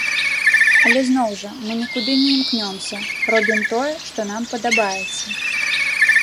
Але зноў жа, мы нікуды не імкнёмся, робім тое, што нам падабаецца.